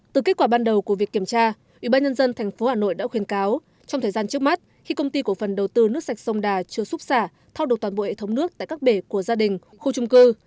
từ kết quả ban đầu của việc kiểm tra ủy ban nhân dân tp hà nội đã khuyên cáo trong thời gian trước mắt khi công ty cổ phần đầu tư nước sạch sông đà chưa xúc xả thao đột toàn bộ hệ thống nước tại các bể của gia đình khu trung cư